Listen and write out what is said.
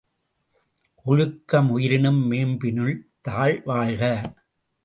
ஒழுக்க முயிரினு மோம்பினுன் தாள் வாழ்க!